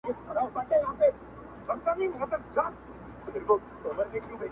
غم دې هسې لونګینه راته ګوري